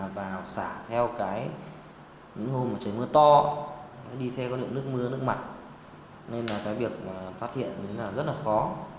vì thế có lượng nước mưa nước mặt nên là cái việc phát hiện rất là khó